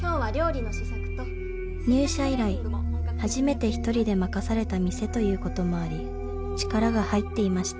［入社以来初めて一人で任された店ということもあり力が入っていました］